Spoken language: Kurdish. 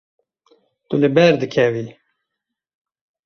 Tu li ber dikevî.